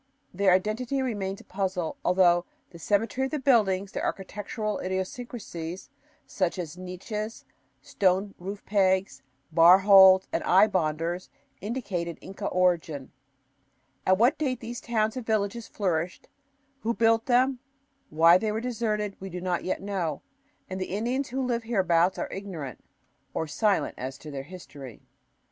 Their identity remains a puzzle, although the symmetry of the buildings, their architectural idiosyncrasies such as niches, stone roof pegs, bar holds, and eye bonders, indicate an Inca origin. At what date these towns and villages flourished, who built them, why they were deserted, we do not yet know; and the Indians who live hereabouts are ignorant, or silent, as to their history.